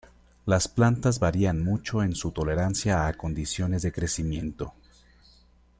Las plantas varían mucho en su tolerancia a condiciones de crecimiento.